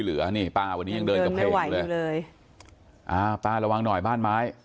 ติดเตียงได้ยินเสียงลูกสาวต้องโทรศัพท์ไปหาคนมาช่วย